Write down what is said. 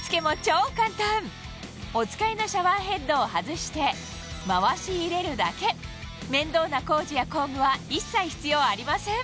お使いのシャワーヘッドを外して回し入れるだけ面倒な工事や工具は一切必要ありません